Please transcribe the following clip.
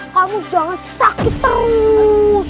kamu jangan sakit terus